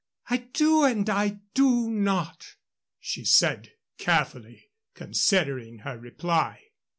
"I do and I do not," she said, carefully considering her reply.